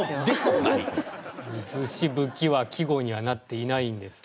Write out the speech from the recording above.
水しぶきは季語にはなっていないんです。